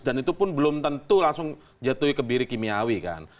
dan itu pun belum tentu langsung jatuh kebiri kimiawi kan